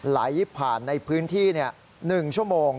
ไหลผ่านในพื้นที่๑ชั่วโมง